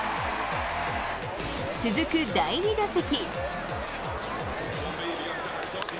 続く第２打席。